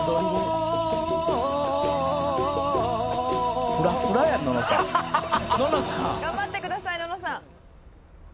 「頑張ってください！ののさん」